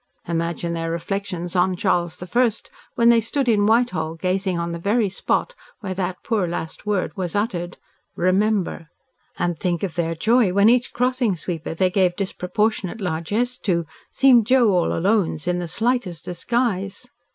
Imagine their reflections on Charles I., when they stood in Whitehall gazing on the very spot where that poor last word was uttered 'Remember.' And think of their joy when each crossing sweeper they gave disproportionate largess to, seemed Joe All Alones in the slightest disguise."